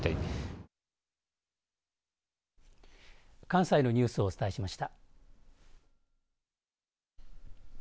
関西のニュースをお伝えしました。